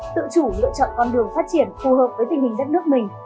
tự chủ lựa chọn con đường phát triển phù hợp với tình hình đất nước mình